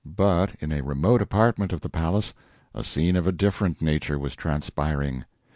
But in a remote apartment of the palace a scene of a different nature was transpiring.